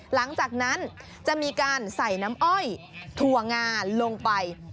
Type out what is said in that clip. หลังจากนั้นจะมีการใส่น้ำอ้อยถั่วงาลงไป